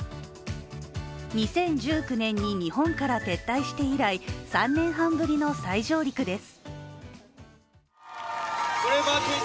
２０１９年に日本から撤退して以来、３年半ぶりの再上陸です。